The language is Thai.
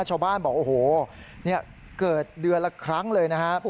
ชาวบ้านบอกโอ้โหเกิดเดือนละครั้งเลยนะฮะ